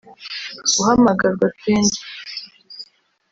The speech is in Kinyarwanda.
guhamagarwa kenshi